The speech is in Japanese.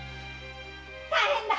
大変だ！